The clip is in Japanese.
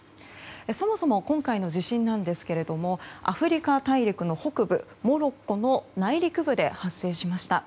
そもそも今回の地震なんですがアフリカ大陸の北部モロッコの内陸部で発生しました。